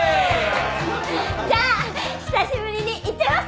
じゃあ久しぶりにいっちゃいますか。